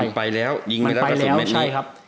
มันไปแล้วยิงไปแล้วก็สุดไม่ใช่